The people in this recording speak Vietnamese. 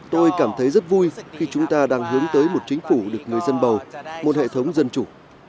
tôi cảm thấy rất vui khi chúng ta đang hướng tới một chính phủ được người dân bầu một hệ thống dân chủ